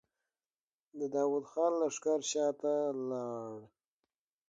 د داوود خان لښکر شاته لاړ.